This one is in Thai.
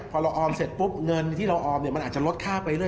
พอเราออมเสร็จปุ๊บเงินที่เราออมเนี่ยมันอาจจะลดค่าไปเรื